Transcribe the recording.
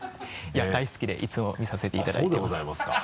いや大好きでいつも見させていただいています。